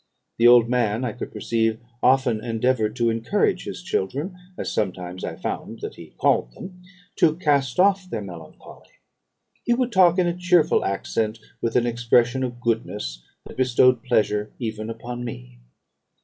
The old man, I could perceive, often endeavoured to encourage his children, as sometimes I found that he called them, to cast off their melancholy. He would talk in a cheerful accent, with an expression of goodness that bestowed pleasure even upon me.